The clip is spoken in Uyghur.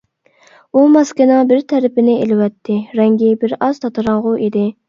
ئۇ ماسكىنىڭ بىر تەرىپىنى ئېلىۋەتتى، رەڭگى بىرئاز تاتىراڭغۇ ئىدى.